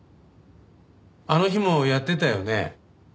あの日もやってたよね？